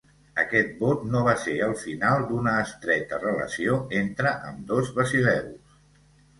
Aquest vot no va ser el final d'una estreta relació entre ambdós basileus.